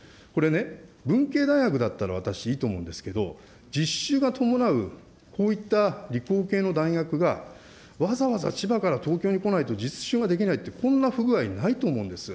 これね、文系大学だったら私いいと思うんですけど、実習が伴うこういった理工系の大学が、わざわざ千葉から東京に来ないと実習ができないって、こんな不具合ないと思うんです。